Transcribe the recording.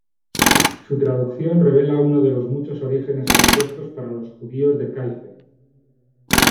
Su traducción revela uno de los muchos orígenes propuestos para los judíos de Kaifeng.